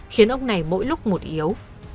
khiến ông này mỗi lúc một yếu